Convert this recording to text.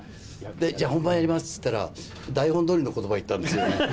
本番やりますって言ったら、台本どおりのことば言ったんですよ。